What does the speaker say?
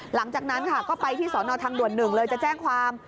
หลังจากนั้นค่ะก็ไปที่สอนอทางด่วน๑เลยจะแจ้งความ